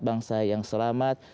bangsa yang selamat